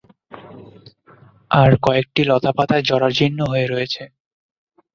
আর কয়েকটি লতাপাতায় জরাজীর্ণ হয়ে রয়েছে।